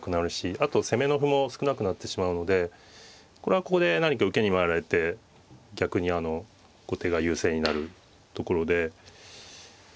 あと攻めの歩も少なくなってしまうのでこれはここで何か受けに回られて逆に後手が優勢になるところで。